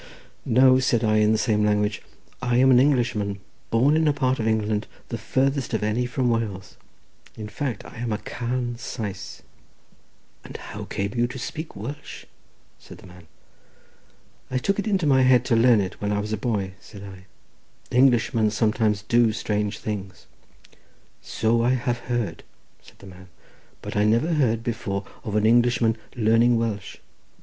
"No," said I in the same language, "I am an Englishman, born in a part of England the farthest of any from Wales. In fact, I am a Carn Sais." "And how came you to speak Welsh?" said the man. "I took it into my head to learn it when I was a boy," said I. "Englishmen sometimes do strange things." "So I have heard," said the man, "but I never heard before of an Englishman learning Welsh."